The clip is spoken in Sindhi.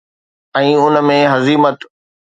۽ ان ۾ حزيمت